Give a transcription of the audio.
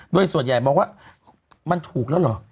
โดยส่วนใหญ่มองว่ามันถูกแล้วเหรอ